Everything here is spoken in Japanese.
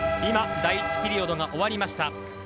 今、第１ピリオドが終わりました。